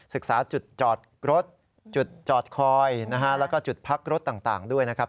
ศึกษาจุดจอดรถจุดจอดคอยนะฮะแล้วก็จุดพักรถต่างด้วยนะครับ